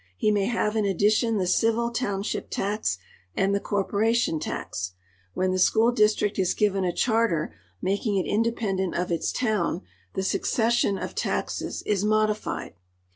He may have in addition the civil township tax and the corporation tax. When the school district is given a charter making it independent of its town, the succession of taxes is modified.